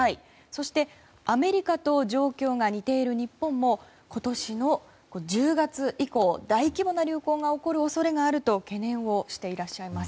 そして、アメリカと状況が似ている日本も今年の１０月以降大規模な流行が起こる恐れがあると懸念していらっしゃいます。